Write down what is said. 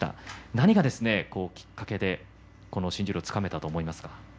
何がきっかけでこの新十両をつかめたと思いますか？